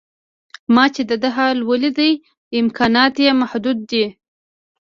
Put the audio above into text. ما چې د ده حال ولید امکانات یې محدود دي.